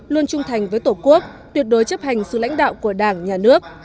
luôn trung thành với tổ quốc tuyệt đối chấp hành sự lãnh đạo của đảng nhà nước